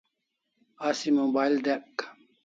Asi mobile dyek